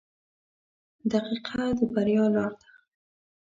• دقیقه د بریا لار ده.